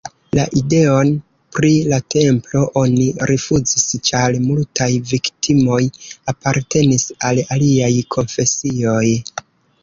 La ideon pri la templo oni rifuzis, ĉar multaj viktimoj apartenis al aliaj konfesioj.